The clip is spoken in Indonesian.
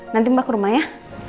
nanti mbak ke rumah ya